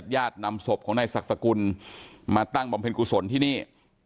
แยฆนำศพของนายศักดิ์สกุลมาตั้งปังเพ็นครุศลที่นี่